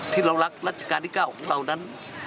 ที่เรารักรัชกาลที่๙ของเรานั้น